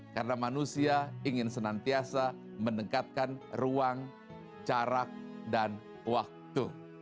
karena manusia ingin senantiasa menekatkan ruang jarak dan waktu